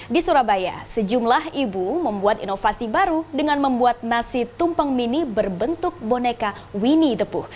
di surabaya sejumlah ibu membuat inovasi baru dengan membuat nasi tumpeng mini berbentuk boneka winnie the booh